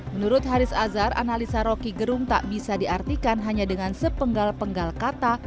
menurut haris azhar analisa roky gerung tak bisa diartikan hanya dengan sepenggal penggal kata